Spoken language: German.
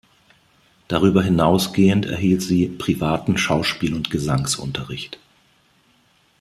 Darüber hinausgehend erhielt sie privaten Schauspiel- und Gesangsunterricht.